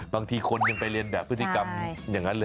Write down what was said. บางทีคนยังไปเรียนแบบพฤติกรรมอย่างนั้นเลย